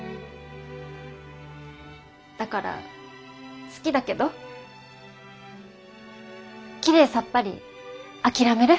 だから好きだけどきれいさっぱり諦める。